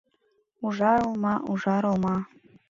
Ужар олма, ужар олма